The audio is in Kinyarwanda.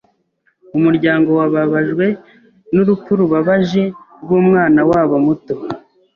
Umuryango wababajwe n'urupfu rubabaje rw'umwana wabo muto.